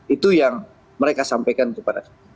itu yang mereka sampaikan kepada